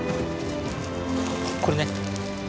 これね。